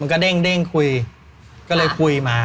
แล้วก็มันก็เด้งคุยก็เลยคุยมา